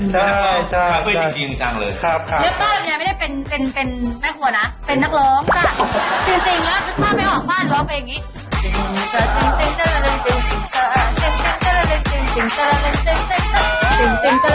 เมื่อพ่อหนึ่งไม่ได้เป็นแม่ขัวนะเป็นนักร้องค่ะ